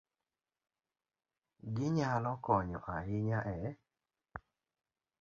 Ginyalo konyo ahinya e